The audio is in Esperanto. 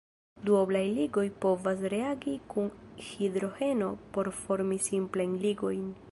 Duoblaj ligoj povas reagi kun hidrogeno por formi simplajn ligojn.